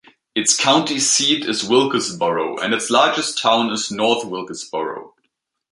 Its county seat is Wilkesboro, and its largest town is North Wilkesboro.